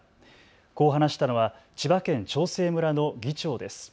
こう話したのは千葉県長生村の議長です。